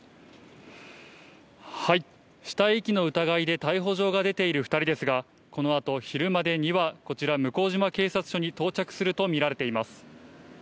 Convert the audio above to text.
死体遺棄の疑いで逮捕状が出ている２人ですがこの後、昼までにはこちら向島警察署に到着するとみられています。